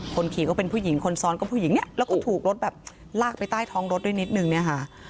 คนขี่ก็เป็นผู้หญิงคนซ้อนก็ผู้หญิงเนี่ยแล้วก็ถูกรถแบบลากไปใต้ท้องรถด้วยนิดนึงเนี่ยค่ะ